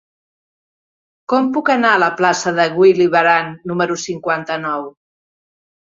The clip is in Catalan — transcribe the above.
Com puc anar a la plaça de Willy Brandt número cinquanta-nou?